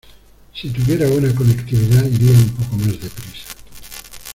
Si tuviera buena conectividad iría un poco más deprisa.